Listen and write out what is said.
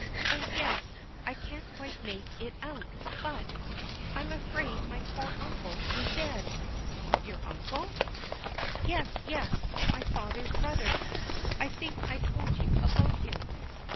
Oh, yes! I can't quite make it out but I'm afraid my poor uncle is dead." "Your uncle?" "Yes, yes. My father's brother. I think I told you about him.